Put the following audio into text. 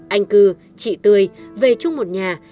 anh cư chị tươi về chung một nhà